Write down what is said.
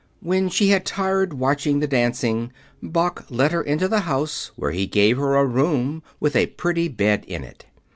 When she had tired watching the dancing, Boq led her into the house, where he gave her a room with a pretty bed in it.